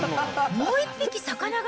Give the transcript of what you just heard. もう一匹魚が。